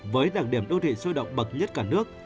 với đặc điểm đô thị sôi động bậc nhất cả nước